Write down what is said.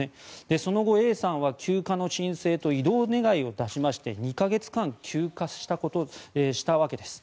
その後、Ａさんは休暇の申請と異動願を出しまして２か月間、休暇したわけです。